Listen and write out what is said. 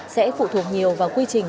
sẽ phụ thuộc nhiều vào quy trình